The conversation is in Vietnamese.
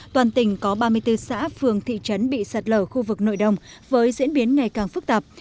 toàn tỉnh có ba mươi bốn xã phường thị trấn bị sạt lở khu vực nội đồng với diễn biến ngày càng phức tạp